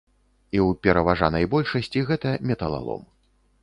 І ў пераважанай большасці гэта металалом.